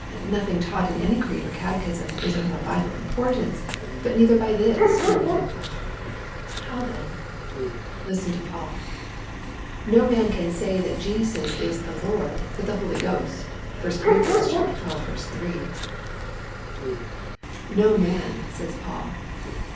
Nothing taught in any creed or catechism is of more vital importance; but neither by this do we know it. How then? Listen to Paul: "No man can say that Jesus is the Lord, but by the Holy Ghost" (I Cor. xii. 3). "No man," says Paul.